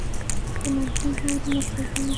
د منفي دود نښې دي